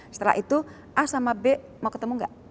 setelah itu a sama b mau ketemu nggak